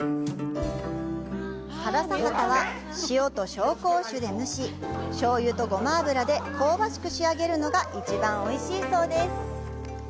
サラサハタは、塩と紹興酒で蒸し、醤油とゴマ油で香ばしく仕上げるのが一番おいしいそうです。